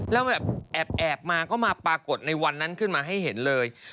แล้วแบบแอบมาก็มาปรากฏในวันนั้นขึ้นมาให้เห็นเลย